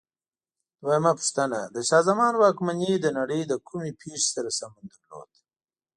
دویمه پوښتنه: د شاه زمان واکمنۍ د نړۍ له کومې پېښې سره سمون درلود؟